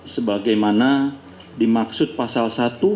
sebagai mana dimaksud pasal satu